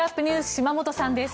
島本さんです。